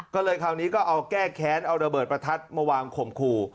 ก็เลยคราวนี้ก็เอาแก้แค้นเอาระเบิดประทัดมาวางข่มขู่